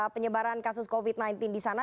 penyebaran kasus covid sembilan belas di sana